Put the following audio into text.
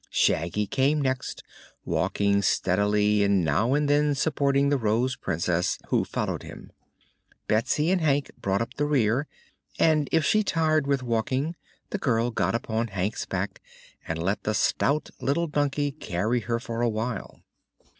Shaggy came next, walking steadily and now and then supporting the Rose Princess, who followed him. Betsy and Hank brought up the rear, and if she tired with walking the girl got upon Hank's back and let the stout little donkey carry her for awhile.